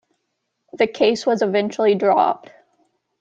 The case was eventually dropped.